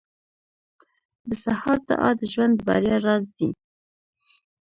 • د سهار دعا د ژوند د بریا راز دی.